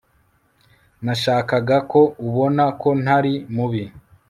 nashakaga ko ubona ko ntari mubi